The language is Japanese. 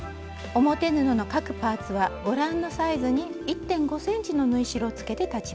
表布の各パーツはご覧のサイズに１．５ｃｍの縫い代をつけて裁ちます。